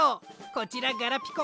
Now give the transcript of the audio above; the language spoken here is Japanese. こちらガラピコ。